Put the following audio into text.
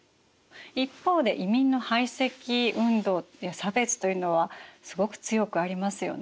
一方で移民の排斥運動や差別というのはすごく強くありますよね。